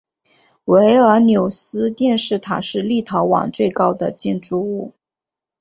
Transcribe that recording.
维尔纽斯电视塔是立陶宛最高的建筑物。